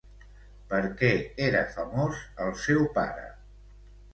Per què era famós el seu pare?